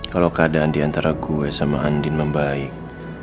kalo keadaan diantara gue sama andin membaik